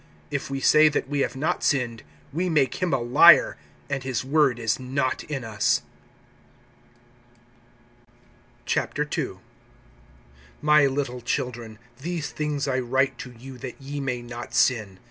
(10)If we say that we have not sinned, we make him a liar, and his word is not in us. II. MY little children, these things I write to you, that ye may not sin.